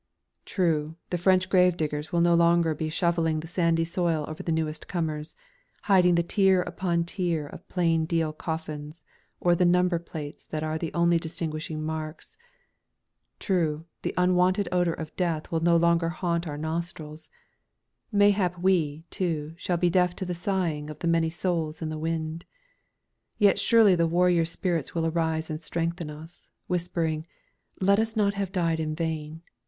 True, the French gravediggers will no longer be shovelling the sandy soil over the newest comers, hiding the tier upon tier of plain deal coffins or the number plates that are the only distinguishing marks; true, the unwonted odour of Death will no longer haunt our nostrils; mayhap we, too, shall be deaf to the sighing of the many souls in the wind. Yet surely the warrior spirits will arise and strengthen us, whispering: "Let us not have died in vain.